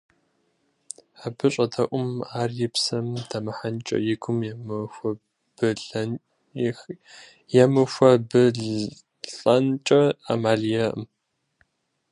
Абы щӀэдэӀум ар и псэм дэмыхьэнкӀэ, и гум емыхуэбылӀэнкӀэ Ӏэмал иӀэкъым.